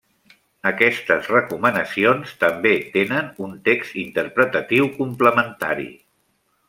Aquestes recomanacions també tenen un text interpretatiu complementari.